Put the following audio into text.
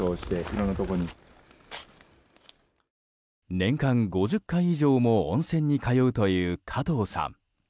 年間５０回以上も温泉に通うという加藤さん。